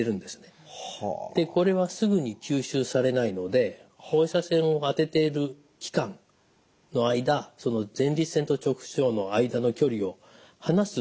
これはすぐに吸収されないので放射線を当てている期間の間前立腺と直腸の間の距離を離す役割があります。